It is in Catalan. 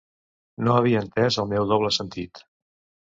No havia entés el meu doble sentit.